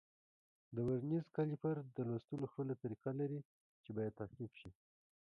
د ورنیز کالیپر د لوستلو خپله طریقه لري چې باید تعقیب شي.